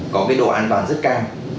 có cái độ an toàn rất cao